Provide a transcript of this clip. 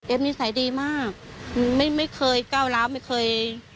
นิสัยดีมากไม่เคยก้าวร้าวไม่เคย